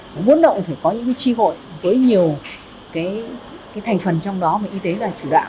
muốn vận động thì phải có những chi hội với nhiều thành phần trong đó mà y tế là chủ đạo